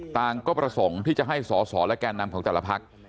ต่างก็ประสงค์ที่จะให้สอสอและแก่นำของแต่ละพัก